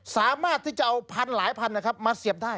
สามารถที่จะเอาพันธุ์หลายพันนะครับมาเสียบได้